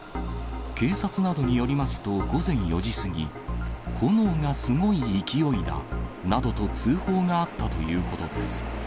警察などによりますと、午前４時過ぎ、炎がすごい勢いだなどと通報があったということです。